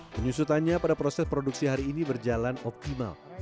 penyusutannya pada proses produksi hari ini berjalan optimal